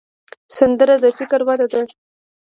سندره د فکر وده ده